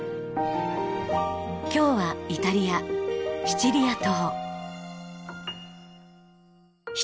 今日はイタリアシチリア島。